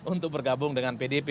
untuk bergabung dengan pdip